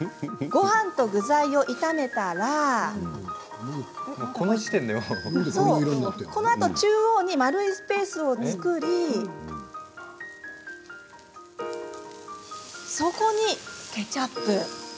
ごはんと具材を炒めたら中央に丸いスペースを作りそこにケチャップ。